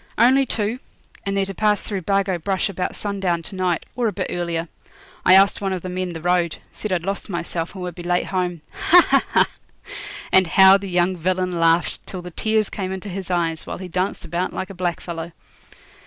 'Only two; and they're to pass through Bargo Brush about sundown to night, or a bit earlier. I asked one of the men the road; said I'd lost myself, and would be late home. Ha! ha! ha!' And how the young villain laughed till the tears came into his eyes, while he danced about like a blackfellow.